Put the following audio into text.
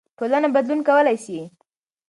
ټولنه بدلون کولای سي.